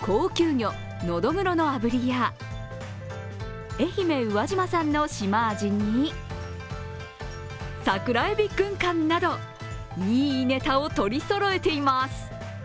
高級魚のどぐろの炙りや愛媛・宇和島産のしまあじに、桜えび軍艦などいいネタを取りそろえています。